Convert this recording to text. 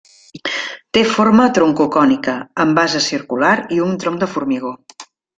Té forma troncocònica amb base circular i un tronc de formigó.